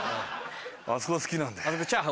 あそこ好きなんで。